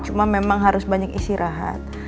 cuma memang harus banyak isi rahat